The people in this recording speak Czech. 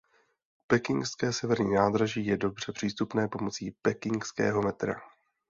Pekingské severní nádraží je dobře přístupné pomocí pekingského metra.